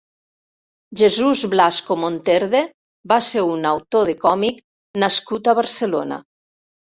Jesús Blasco Monterde va ser un autor de còmic nascut a Barcelona.